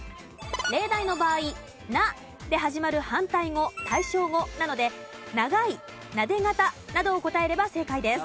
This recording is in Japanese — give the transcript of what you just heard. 例題の場合「な」で始まる反対語・対照語なので長いなで肩などを答えれば正解です。